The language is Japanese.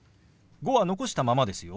「５」は残したままですよ。